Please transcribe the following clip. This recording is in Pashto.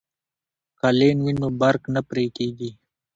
که لین وي نو برق نه پرې کیږي.